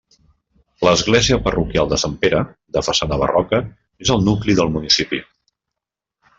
L'església parroquial de Sant Pere, de façana barroca, és el nucli del municipi.